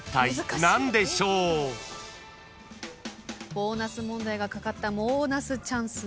ボーナス問題が懸かったボーナスチャンスです。